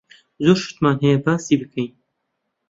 زۆر شتمان هەیە باسی بکەین.